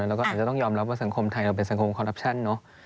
แล้วก็อาจจะต้องยอมรับว่าสังคมไทยเราเป็นสังคมคอรัปชั่นเนอะ